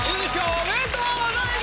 おめでとうございます。